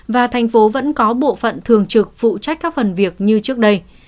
và thành phố vẫn có bộ phận thường trực phụ trách các phần việc như trước đây